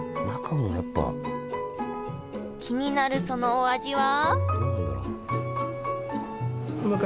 気になるそのお味は？